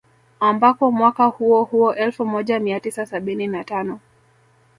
Ambako mwaka huo huo elfu moja mia tisa sabini na tano